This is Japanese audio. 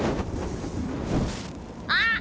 あっ！